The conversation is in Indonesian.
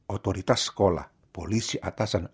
otoritas sekolah polisi atasan